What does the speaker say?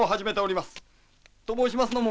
と申しますのも。